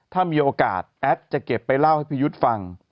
ถ้ามีโอกาสแอดจะเก็บไปเล่าให้พี่ยุทธ์ฟัง